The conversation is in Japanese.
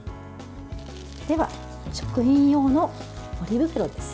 では、食品用のポリ袋です。